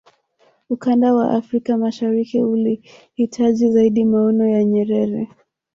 ukanda wa afrika mashariki ulihitaji zaidi maono ya nyerere